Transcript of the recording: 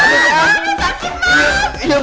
ikut saya kedalam